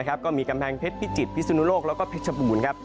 กำแพงเพชรพิจิตรพิสุนุโลกแล้วก็เพชรบูรณ์ครับ